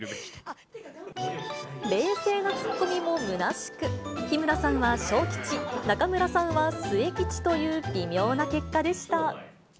冷静なツッコミもむなしく、日村さんは小吉、中村さんは末吉という微妙な結果でした。